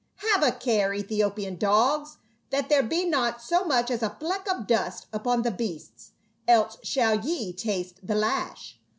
" T T AVE a care, Ethiopian dogs, that there be not JL X so much as a fleck of dust upon the beasts, else shall ye taste the lash.